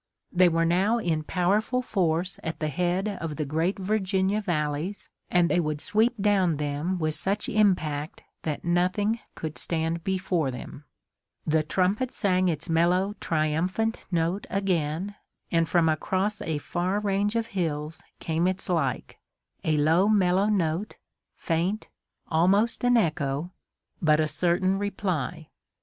They were now in powerful force at the head of the great Virginia valleys, and they would sweep down them with such impact that nothing could stand before them. The trumpet sang its mellow triumphant note again, and from across a far range of hills came its like, a low mellow note, faint, almost an echo, but a certain reply.